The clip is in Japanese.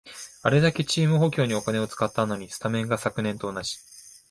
あれだけチーム補強にお金使ったのに、スタメンが昨年と同じ